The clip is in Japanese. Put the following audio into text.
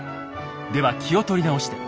では気を取り直して。